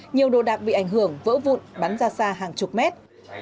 nhiều đồ đạc bị ảnh hưởng vỡ vụn bắn ra xa hàng chục mét